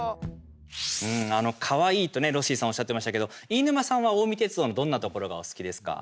かわいいとロッシーさんおっしゃってましたけど飯沼さんは近江鉄道のどんなところがお好きですか？